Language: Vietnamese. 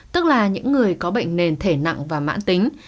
tức là những người có bệnh nền thể nặng và mãn tính